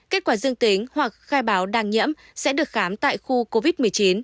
kết quả dương tính hoặc khai báo đang nhiễm sẽ được khám tại khu covid một mươi chín